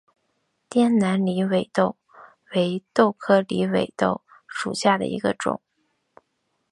滇南狸尾豆为豆科狸尾豆属下的一个种。